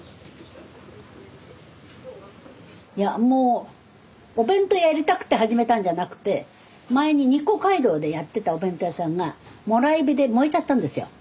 いやもうお弁当屋やりたくて始めたんじゃなくて前に日光街道でやってたお弁当屋さんがもらい火で燃えちゃったんですよ。